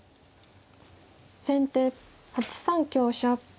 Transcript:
先手８三香車。